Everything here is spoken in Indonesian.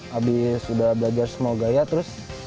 habis sudah belajar semua gaya terus